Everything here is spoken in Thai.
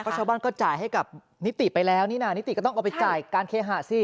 ชาวบ้านก็จ่ายให้กับนิติไปแล้วนี่นะนิติก็ต้องเอาไปจ่ายการเคหะสิ